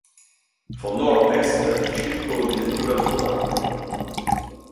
Fondò a Pest il Circolo di lettura slovacco.